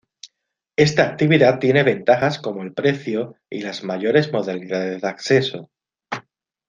Esta actividad tiene ventajas como el precio y las mayores modalidades de acceso.